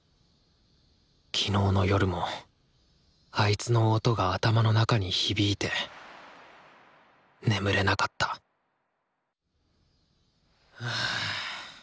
昨日の夜もあいつの音が頭の中に響いて眠れなかったはぁ。